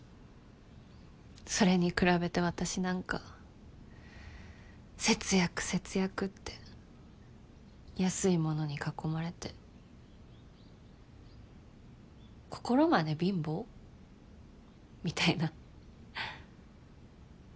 それに比べて私なんか節約節約って安い物に囲まれて心まで貧乏？みたいな。